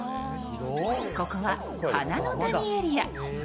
ここは花の谷エリア。